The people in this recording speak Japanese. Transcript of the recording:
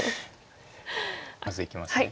まずいきます